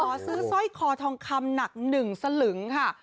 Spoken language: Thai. ขอซื้อสร้อยคอทองคำหนัก๑สลึงค่ะ